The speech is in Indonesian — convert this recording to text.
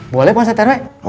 boleh pak ustadz rw